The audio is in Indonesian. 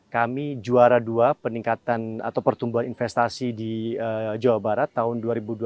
kami juara dua peningkatan atau pertumbuhan investasi di jawa barat tahun dua ribu dua puluh dua